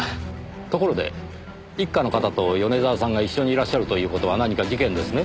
ところで１課の方と米沢さんが一緒にいらっしゃるという事は何か事件ですね。